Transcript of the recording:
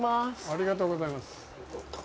ありがとうございます。